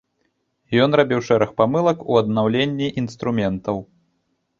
Ён рабіў шэраг памылак у аднаўленні інструментаў.